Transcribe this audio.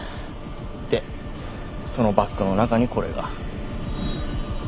でそのバッグの中にこれが。